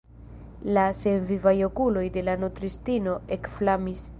La senvivaj okuloj de la nutristino ekflamis.